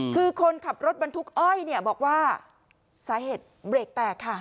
คือคนขับรถบรรทุกอ้อยเนี่ยบอกว่าสาเหตุเบรกแตกค่ะ